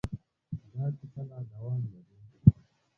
دا کیسه لا دوام لري.